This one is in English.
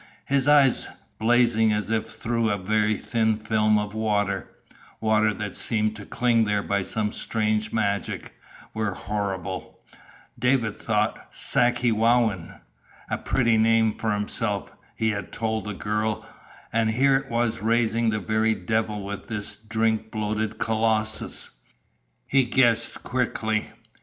His eyes, blazing as if through a very thin film of water water that seemed to cling there by some strange magic were horrible, David thought. Sakewawin! A pretty name for himself, he had told the girl and here it was raising the very devil with this drink bloated colossus. He guessed quickly.